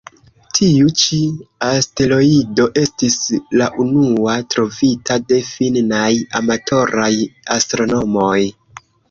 Tiu-ĉi asteroido estis la unua trovita de finnaj amatoraj astronomoj.